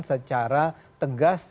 secara tegas dan berpengaruh